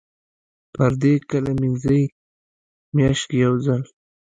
پردې کله مینځئ؟ میاشت کې یوځل